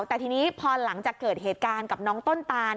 แต่ทีนี้พอหลังจากเกิดเหตุการณ์กับน้องต้นตาน